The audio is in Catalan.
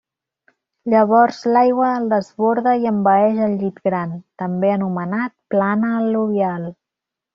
Llavors l'aigua el desborda i envaeix el llit gran, també anomenat plana al·luvial.